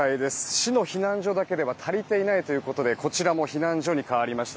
市の避難所だけでは足りていないということでこちらも避難所に変わりました。